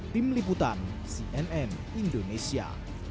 tim liputan cnn indonesia